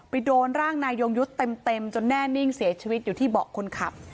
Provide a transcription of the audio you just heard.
โดนร่างนายยงยุทธ์เต็มจนแน่นิ่งเสียชีวิตอยู่ที่เบาะคนขับ